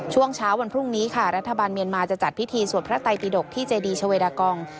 ช่วงเช้าวันพรุ่งนี้ค่ะรัฐบาลเมียนมาจะจัดพิธีสวดพระไตปิดกที่เจดีชาเวดากอง